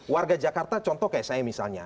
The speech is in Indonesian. warga jakarta contoh kayak saya misalnya